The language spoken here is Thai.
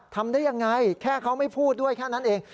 ทำได้ยังไงแค่เขาไม่พูดด้วยแค่นั้นเอง